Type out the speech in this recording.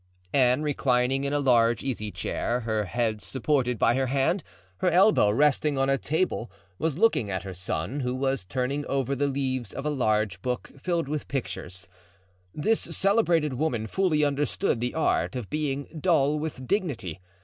Anne, reclining in a large easy chair, her head supported by her hand, her elbow resting on a table, was looking at her son, who was turning over the leaves of a large book filled with pictures. This celebrated woman fully understood the art of being dull with dignity.